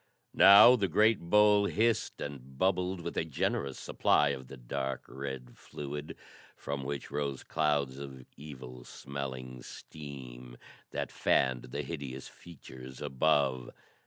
Now the great bowl hissed and bubbled with a generous supply of the dark red fluid, from which rose clouds of evil smelling steam that fanned the hideous features above.